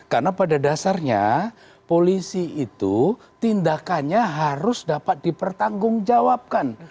karena pada dasarnya polisi itu tindakannya harus dapat dipertanggungjawabkan